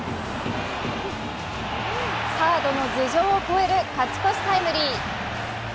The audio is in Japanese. サードの頭上を越える勝ち越しタイムリー。